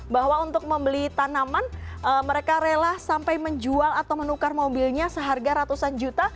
bahwa untuk membeli tanaman mereka rela sampai menjual atau menukar mobilnya seharga ratusan juta